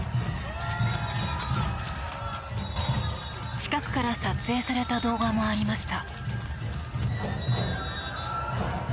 近くから撮影された動画もありました。